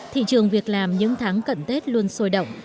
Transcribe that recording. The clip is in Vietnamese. thị trường việc làm những tháng cận tết luôn sôi động